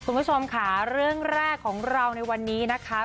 คุณผู้ชมค่ะเรื่องแรกของเราในวันนี้นะคะ